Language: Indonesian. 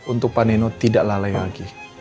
untuk pak neno tidak lalai lagi